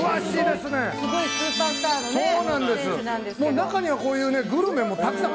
中にはこういうグルメもたくさん。